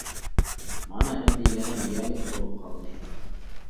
مانا ئەمدى يەنە نىيەلىك بولۇپ قالدى.